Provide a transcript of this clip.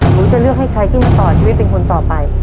หนูจะเลือกให้ใครขึ้นมาต่อชีวิตเป็นคนต่อไป